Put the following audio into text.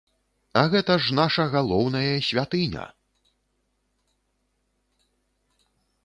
А гэта ж наша галоўнае святыня!